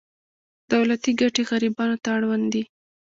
دولتي ګټې غریبانو ته اړوند دي.